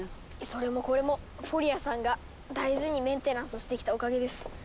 それもこれもフォリアさんが大事にメンテナンスしてきたおかげです！